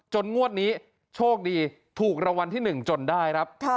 งวดนี้โชคดีถูกรางวัลที่๑จนได้ครับ